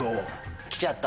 来ちゃった？